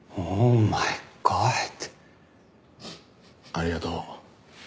ありがとう。